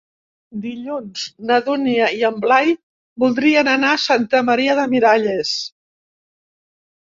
Dilluns na Dúnia i en Blai voldrien anar a Santa Maria de Miralles.